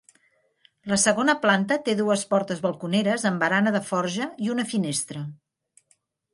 La segona planta té dues portes balconeres amb barana de forja i una finestra.